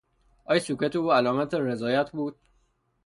آیا سکوت او علامت رضایت بود؟